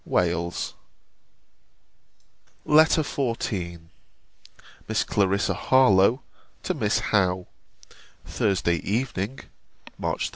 HARLOWE. LETTER XIV MISS CLARISSA HARLOWE, TO MISS HOWE THURSDAY EVENING, MARCH 2.